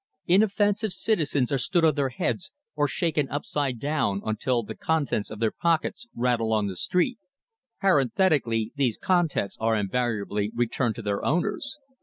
Inoffensive citizens are stood on their heads, or shaken upside down until the contents of their pockets rattle on the street. Parenthetically, these contents are invariably returned to their owners.